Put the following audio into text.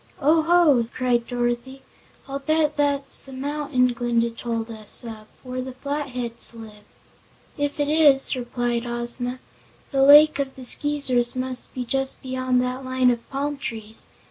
"Oh, ho!" cried Dorothy; "I'll bet that's the mountain Glinda told us of, where the Flatheads live." "If it is," replied Ozma, "the Lake of the Skeezers must be just beyond the line of palm trees.